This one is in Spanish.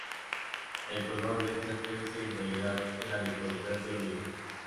El color de esta especie, en realidad era de color verde oliva.